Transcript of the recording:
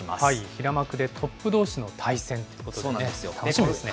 平幕でトップどうしの対戦ということですね。